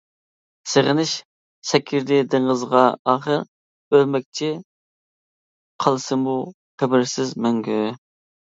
سېغىنىش سەكرىدى دېڭىزغا ئاخىر، ئۆلمەكچى قالسىمۇ قەبرىسىز مەڭگۈ.